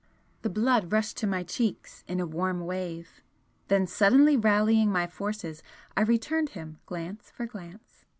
The blood rushed to my cheeks in a warm wave then suddenly rallying my forces I returned him glance for glance.